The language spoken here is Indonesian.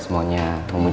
siapa yang berpikir